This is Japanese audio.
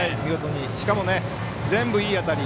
しかも、全部、いい当たり。